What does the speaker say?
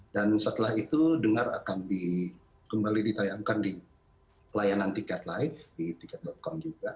dan setelah itu dengar akan kembali ditayangkan di pelayanan tiket live di tiket com juga